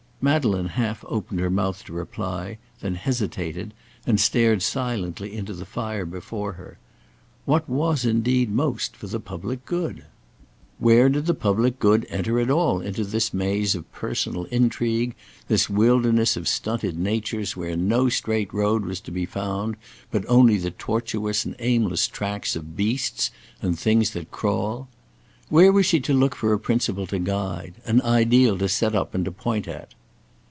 Madeleine half opened her mouth to reply, then hesitated, and stared silently into the fire before her. What was indeed most for the public good? Where did the public good enter at all into this maze of personal intrigue, this wilderness of stunted natures where no straight road was to be found, but only the tortuous and aimless tracks of beasts and things that crawl? Where was she to look for a principle to guide, an ideal to set up and to point at?